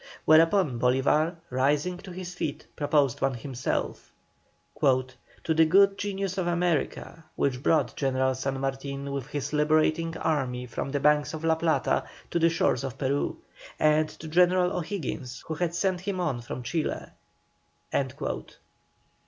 Whereupon Bolívar rising to his feet proposed one himself: "To the good genius of America, which brought General San Martin with his liberating army from the banks of La Plata to the shores of Peru; and to General O'Higgins who had sent him on from Chile."